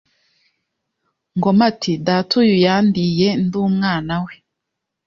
Ngoma ati 'Data uyu yandiye ndi umwana we